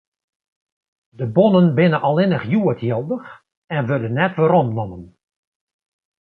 De bonnen binne allinnich hjoed jildich en wurde net weromnommen.